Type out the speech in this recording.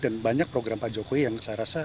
dan banyak program pak jokowi yang saya rasa